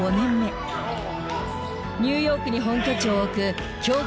ニューヨークに本拠地を置く強豪